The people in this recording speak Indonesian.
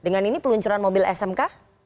dengan ini peluncuran mobil smk